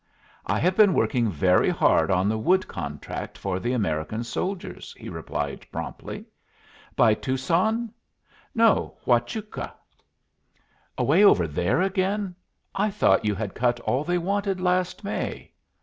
"I have been working very hard on the wood contract for the American soldiers," he replied, promptly. "By Tucson?" "No. Huachuca." "Away over there again? I thought you had cut all they wanted last May."